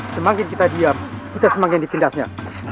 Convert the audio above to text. semakin kita diam kita semakin ditindasnya